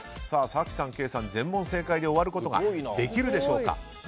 早紀さん、ケイさん全問正解で終わることができるでしょうか。